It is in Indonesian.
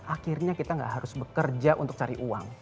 akhirnya kita gak harus bekerja untuk cari uang